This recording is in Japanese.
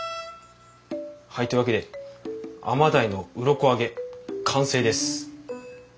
はいというわけで甘ダイのウロコ揚げ完成です。